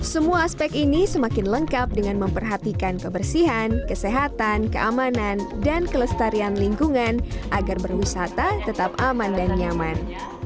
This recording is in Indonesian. semua aspek ini semakin lengkap dengan memperhatikan kebersihan kesehatan keamanan dan kelestarian lingkungan agar berwisata tetap aman dan nyaman